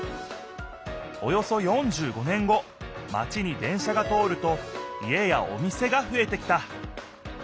およそ４５年後マチに電車が通ると家やお店がふえてきた。